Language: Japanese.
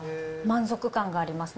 満足感があります。